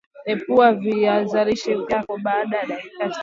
Epua viazilishe vyako baada ya dakika tano